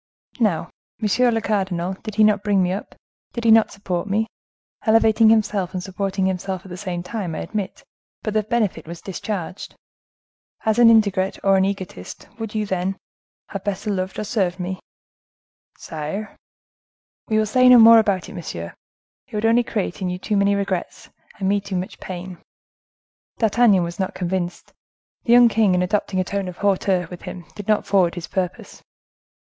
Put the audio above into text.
Now, monsieur le cardinal, did he not bring me up, did he not support me?—elevating himself and supporting himself at the same time, I admit; but the benefit was discharged. As an ingrate or an egotist, would you, then, have better loved or served me?" "Sire!" "We will say no more about it, monsieur; it would only create in you too many regrets, and me too much pain." D'Artagnan was not convinced. The young king, in adopting a tone of hauteur with him, did not forward his purpose.